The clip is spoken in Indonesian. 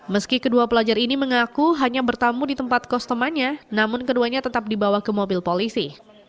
meski kedua pelajar ini mengaku hanya bertamu di tempat kos temannya namun keduanya tetap dibawa ke mobil polisi